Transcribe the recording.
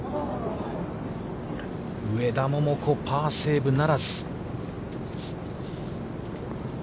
上田桃子、パーセーブならず。